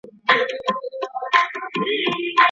په لاس لیکلنه د تاریخ په پاڼو کي د ځان ژوندی ساتل دي.